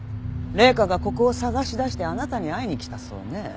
麗華がここを捜し出してあなたに会いに来たそうね。